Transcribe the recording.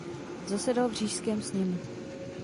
Zasedal v Říšském sněmu.